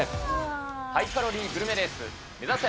ハイカロリーグルメレース、目指せ！